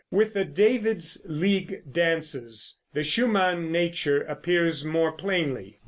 With the "David's League Dances" the Schumann nature appears more plainly.